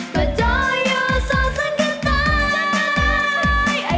แต่โดยอยู่ส่องสังกันตาย